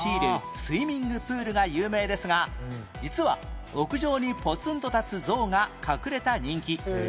『スイミング・プール』が有名ですが実は屋上にポツンと立つ像が隠れた人気